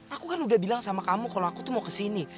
aku kan udah bilang sama kamu kalau aku tuh mau kesini